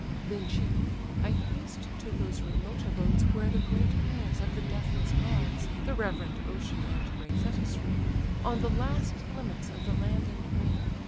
Then she—"I haste to those remote abodes Where the great parents of the deathless gods, The reverend Ocean and gray Tethys, reign, On the last limits of the land and main.